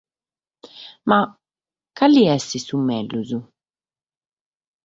Ma, cale est su mègius?